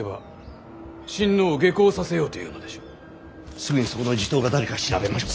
すぐにそこの地頭が誰か調べましょう。